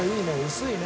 薄いね。